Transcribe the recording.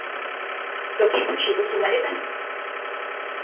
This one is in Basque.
Toki gutxi duzu maletan?